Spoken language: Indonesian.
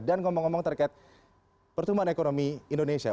dan ngomong ngomong terkait pertumbuhan ekonomi indonesia